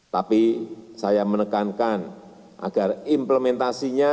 tapi saya menekankan agar implementasinya